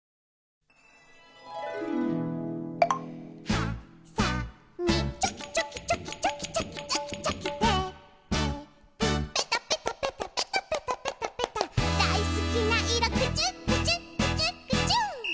「はさみチョキチョキチョキチョキチョキチョキチョキ」「テープペタペタペタペタペタペタペタ」「だいすきないろクチュクチュクチュクチュ」